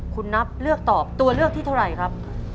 คุณนับเลือกตอบตัวเลือกที่เท่าไหร่ครับ